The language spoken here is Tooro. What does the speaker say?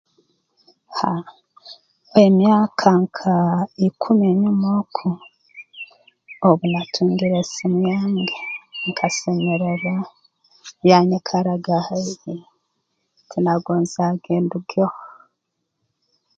Ha emyaka nkaa ikumi enyuma oku obu natungire esimu yange nkasemerwa yaanyikaraga haihi tinagonzaaga endugeho